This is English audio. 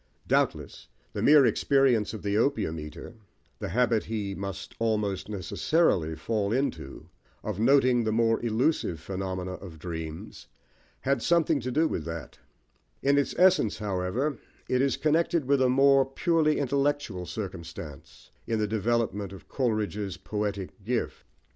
Doubtless, the mere experience of the opium eater, the habit he must almost necessarily fall into of noting the more elusive phenomena of dreams, had something to do with that: in its essence, however, it is connected with a more purely intellectual circumstance in the development of Coleridge's poetic gift.